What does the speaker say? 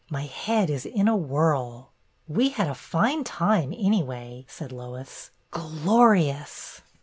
" My head is in a whirl." "We had a fine time, anyway," said Lois. " Glorious!"